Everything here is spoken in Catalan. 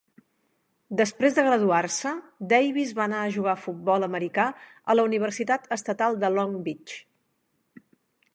Després de graduar-se, Davis va anar a jugar a futbol americà a la Universitat Estatal de Long Beach.